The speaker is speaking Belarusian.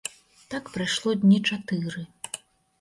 Так прайшло дні чатыры.